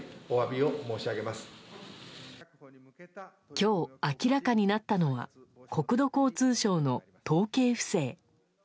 今日、明らかになったのは国土交通省の統計不正。